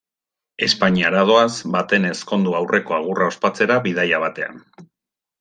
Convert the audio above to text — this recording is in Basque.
Espainiara doaz, baten ezkondu aurreko agurra ospatzera bidaia batean.